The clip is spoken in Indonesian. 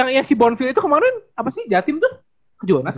eh yang si bonville itu kemaren apa sih jatim tuh ke jurnas kan